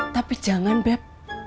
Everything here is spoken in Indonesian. tapi jangan beb